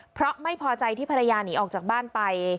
เพราะไม่พอใจที่ภรรยาหนีออกจากบ้านไป